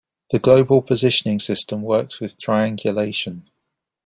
The global positioning system works with triangulation.